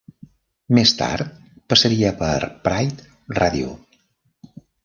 Més tard passaria per Pride Radio.